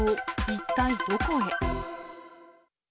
一体どこへ？